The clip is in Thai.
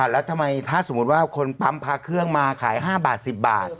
แล้วทำไมถ้าสมมุติว่าคนปั๊มพาเครื่องมาขาย๕บาท๑๐บาท